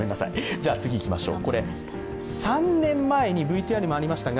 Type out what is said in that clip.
じゃあ、次にいきましょう。